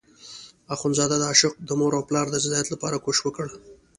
اخندزاده د عاشق د مور او پلار د رضایت لپاره کوشش وکړ.